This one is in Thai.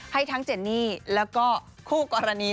ให้ทั้งเจนนี่แล้วก็คู่กรณี